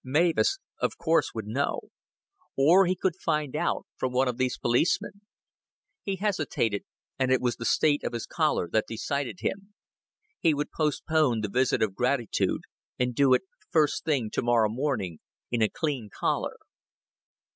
Mavis of course would know. Or he could find out from one of these policemen. He hesitated, and it was the state of his collar that decided him. He would postpone the visit of gratitude, and do it first thing to morrow morning in a clean collar.